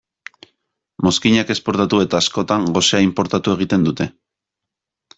Mozkinak esportatu eta askotan gosea inportatu egiten dute.